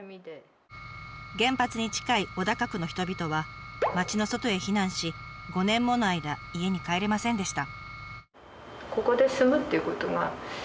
原発に近い小高区の人々は町の外へ避難し５年もの間家に帰れませんでした。